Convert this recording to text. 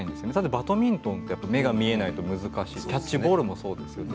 バドミントンは目が見えないと難しいキャッチボールもそうですよね。